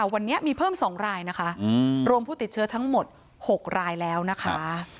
วันนี้มีเพิ่ม๒รายนะคะรวมผู้ติดเชื้อทั้งหมด๖รายแล้วนะคะ